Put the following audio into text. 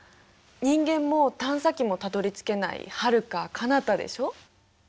人間も探査機もたどりつけないはるかかなたでしょう？